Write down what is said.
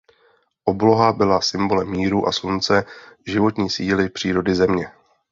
Obloha byla symbolem míru a slunce životní síly přírody země.